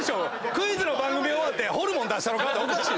クイズの番組終わって「ホルモン出したろか⁉」っておかしい。